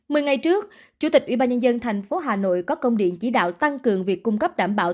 mười ngày trước chủ tịch ubnd tp hà nội có công điện chỉ đạo tăng cường việc cung cấp đảm bảo